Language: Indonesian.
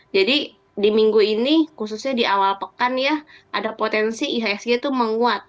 jadi di minggu ini khususnya di awal pekan ya ada potensi ihsg itu menguat